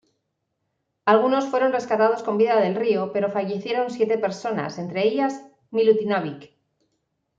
Algunos fueron rescatados con vida del río, pero fallecieron siete personas, entre ellas Milutinović.